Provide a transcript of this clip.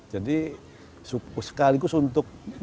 jadi sekaligus untuk mengukur juga kan